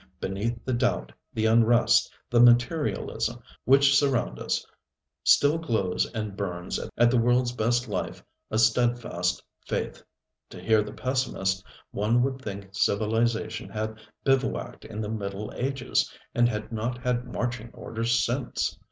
Beneath the doubt, the unrest, the materialism, which surround us still glows and burns at the worldŌĆÖs best life a steadfast faith. To hear the pessimist, one would think civilization had bivouacked in the Middle Ages, and had not had marching orders since.